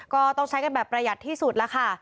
ก็ต้องใช้กันแบบประหยัดที่สุดแล้วค่ะ